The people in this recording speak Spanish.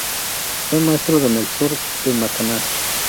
Fue maestro de Melchor de Macanaz.